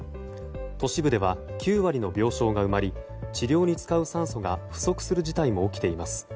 都市部では９割の病床が埋まり治療に使う酸素が不足する事態も起きています。